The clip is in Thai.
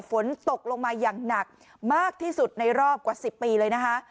ฝนตกลงมาอย่างหนักมากที่สุดในรอบกว่า๑๐ปีเลยนะคะ